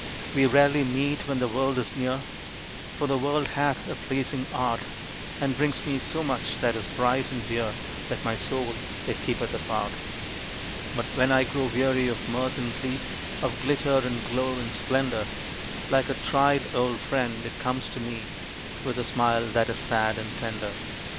We rarely meet when the World is near, For the World hath a pleasing art And brings me so much that is bright and dear That my Soul it keepeth apart. But when I grow weary of mirth and glee, Of glitter, and glow, and splendor, Like a tried old friend it comes to me, With a smile that is sad and tender.